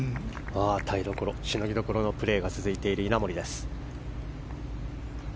耐えどころしのぎどころのプレーが続いている稲森。